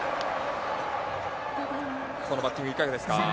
このバッティングいかがですか。